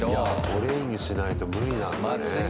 トレーニングしないと無理なんだね。